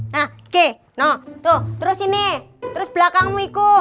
nah oke nah tuh terus ini terus belakangmu iku